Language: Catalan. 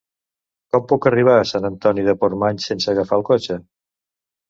Com puc arribar a Sant Antoni de Portmany sense agafar el cotxe?